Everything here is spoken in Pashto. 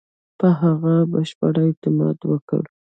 په هغه بشپړ اعتماد وکړ.